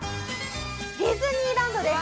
ディズニーランドです！